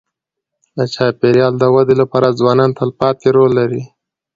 د چاپېریال د ودې لپاره ځوانان تلپاتې رول لري.